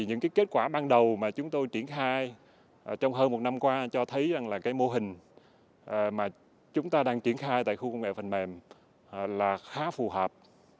những kết quả ban đầu mà chúng tôi triển khai trong hơn một năm qua cho thấy rằng là cái mô hình mà chúng ta đang triển khai tại khu công nghệ phần mềm là khá phù hợp